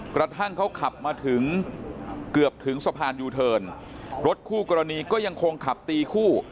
กระทั่งเขาขับมาถึงเกือบถึงสะพานยูเทิร์นรถคู่กรณีก็ยังคงขับตีคู่